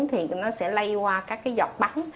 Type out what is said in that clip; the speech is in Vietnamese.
thì nó sẽ lây qua các cái dọc bắn